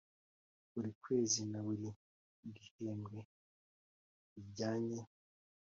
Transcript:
Buri kwezi na buri gihembwe bijyanye